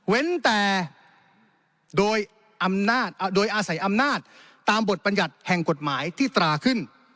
เว้นแต่โดยอาศัยอำนาจตามบทปัญหัสแห่งกฎหมายที่ตราขึ้น